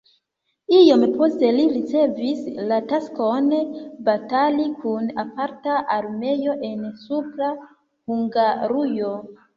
Iom poste li ricevis la taskon batali kun aparta armeo en Supra Hungarujo.